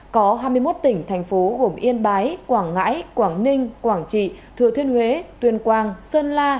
có hai mươi một tỉnh thành phố gồm yên bái quảng ngãi quảng ninh quảng trị thừa thiên huế tuyên quang sơn la